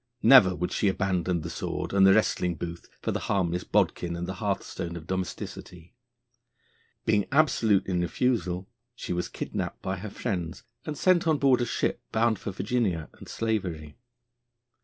Never would she abandon the sword and the wrestling booth for the harmless bodkin and the hearthstone of domesticity. Being absolute in refusal, she was kidnapped by her friends and sent on board a ship, bound for Virginia and slavery.